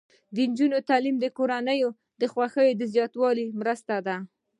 د نجونو تعلیم د کورنۍ خوښۍ زیاتولو مرسته ده.